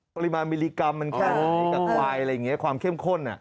ปริมาณมิลลิกรัมมันแค่ไหนกับควายอะไรอย่างนี้ความเข้มข้น